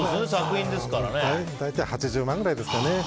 大体８０万くらいですかね。